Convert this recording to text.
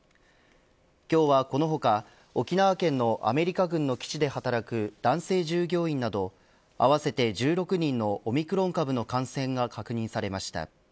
今日はこの他、沖縄県のアメリカ軍の基地で働く男性従業員など合わせて１６人のオミクロン株の感染が確認されました。